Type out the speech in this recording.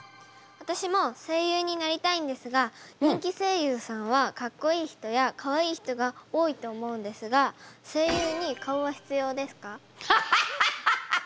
私も声優になりたいんですが人気声優さんはかっこいい人やかわいい人が多いと思うんですがハハハハハッ！